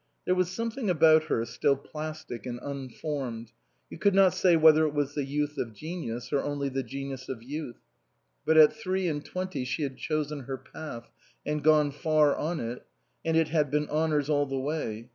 There was something about her still plastic and unformed ; you could not say whether it was the youth of genius, or only the genius of youth. But at three and twenty she had chosen her path, and gone far on it, and it had been honours all the way.